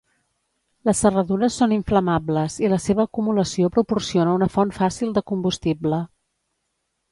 Les serradures són inflamables i la seva acumulació proporciona una font fàcil de combustible.